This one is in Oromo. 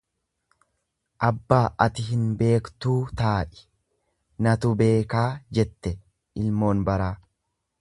Abbaa ati hin beektuu taa'i natu beekaa jette ilmoon baraa.